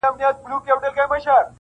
• په خندا کي یې و زوی ته و ویله,